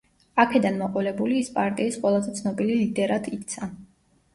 აქედან მოყოლებული ის პარტიის ყველაზე ცნობილი ლიდერად იქცა.